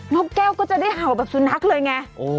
กแก้วก็จะได้เห่าแบบสุนัขเลยไง